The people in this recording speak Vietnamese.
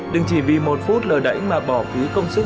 đừng chỉ vì một phút lờ đẩy mà bỏ cứ công sức